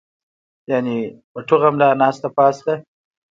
يعني پۀ ټوغه ملا ناسته پاسته